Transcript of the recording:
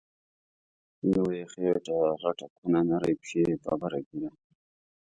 لویه خیټه غټه کونه، نرۍ پښی ببره ږیره